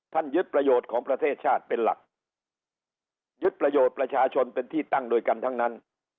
ยึดประโยชน์ของประเทศชาติเป็นหลักยึดประโยชน์ประชาชนเป็นที่ตั้งโดยกันทั้งนั้น